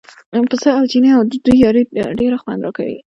پسه او چینی او د دوی یاري ډېر خوند راکوي.